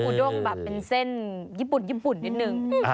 อูด้งแบบเป็นเส้นญี่ปุ่นนิดหนึ่ง